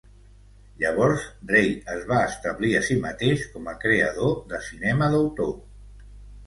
Llavors, Rei es va establir a si mateix com a creador de cinema d'autor.